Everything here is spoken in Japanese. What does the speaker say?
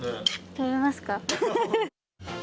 食べますか？